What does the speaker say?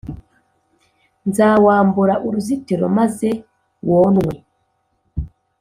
nzawambura uruzitiro, maze wonwe;